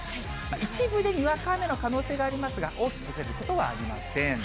一部でにわか雨の可能性がありますが、大きく崩れることはありません。